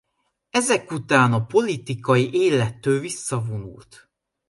Ezek után a politikai élettől visszavonult.